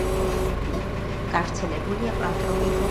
გავრცელებულია პანტროპიკულ არეალში.